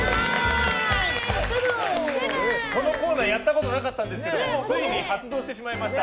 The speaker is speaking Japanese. このコーナーやったことなかったんですけどついに発動してしまいました。